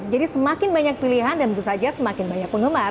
jadi semakin banyak pilihan dan tentu saja semakin banyak penggemar